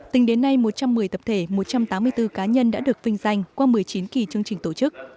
tính đến nay một trăm một mươi tập thể một trăm tám mươi bốn cá nhân đã được vinh danh qua một mươi chín kỳ chương trình tổ chức